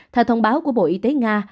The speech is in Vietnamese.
theo thông báo của bộ y tế nga